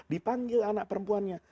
dipanggil anak perempuannya